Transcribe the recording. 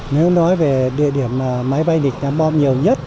nếu nói về địa điểm máy bay địch ném bơm nhiều nhất